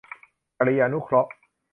กริยานุเคราะห์